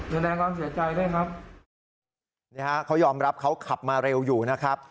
แสดงความเสียใจด้วยครับนี่ฮะเขายอมรับเขาขับมาเร็วอยู่นะครับ